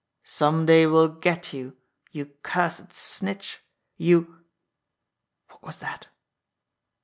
Some day we'll get you, you* cursed snitch, you " What was that?